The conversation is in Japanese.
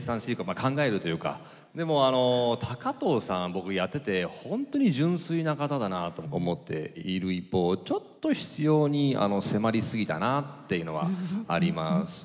僕やってて本当に純粋な方だなと思っている一方ちょっと執ように迫り過ぎたなっていうのはありますね。